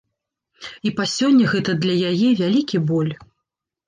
І па сёння гэта для яе вялікі боль.